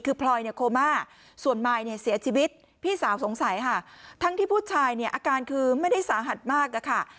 คือพลอยเนี่ยโคม่าส่วนมายเนี่ยเสียชีวิตพี่สาวสงสัยค่ะทั้งที่ผู้ชายเนี่ยอาการคือไม่ได้สาหัสมากอะค่ะ